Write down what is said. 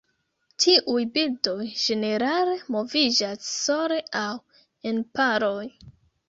Tiuj birdoj ĝenerale moviĝas sole aŭ en paroj.